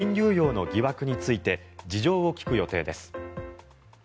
ルノーの資金流用の疑惑について事情を聴く予定です。